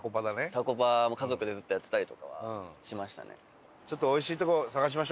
タコパも家族でずっとやってたりとかはしましたね。